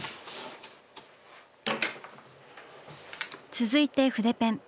続いて筆ペン。